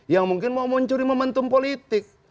yang mungkin mau mencuri momentum politik